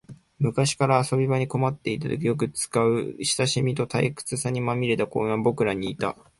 昔から遊び場に困ったときによく使う、親しみと退屈さにまみれた公園に僕らはいた